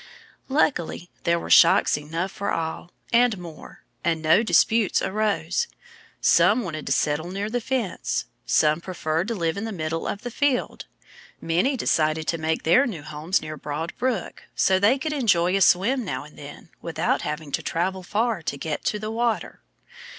Luckily there were shocks enough for all and more. And no disputes arose. Some wanted to settle near the fence. Some preferred to live in the middle of the field. Many decided to make their new homes near Broad Brook, so they could enjoy a swim now and then without having to travel far to get to the water.